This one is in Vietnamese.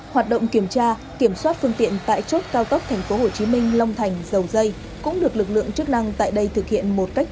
hoạt động kiểm tra kiểm soát phương tiện tại chốt cao tốc tp hcm long thành dầu dây cũng được lực lượng chức năng tại đây thực hiện một cách